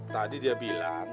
tadi dia bilang